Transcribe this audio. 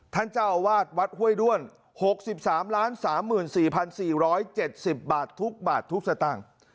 ท่านเจ้าอาวาสวัดห้วยด้วน๖๓๓๔๔๗๐บาททุกบาททุกสตางค์